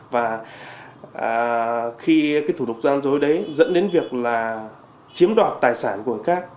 và khi cái thủ đục gian dối đấy dẫn đến việc là chiếm đoạt tài sản của người khác